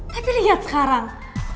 tapi liat sekarang